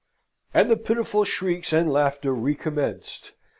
And the pitiful shrieks and laughter recommenced.